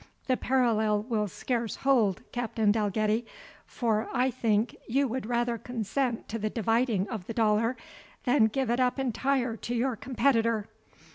"The parallel will scarce hold, Captain Dalgetty, for I think you would rather consent to the dividing of the dollar, than give it up entire to your competitor.